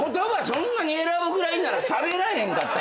そんなに選ぶぐらいならしゃべらへんかったらええやんか。